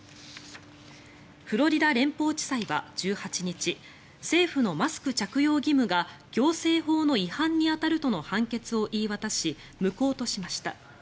フロリダ連邦地裁は１８日政府のマスク着用義務が行政法の違反に当たるとの判決を言い渡し無効としました。